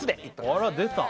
あら出た！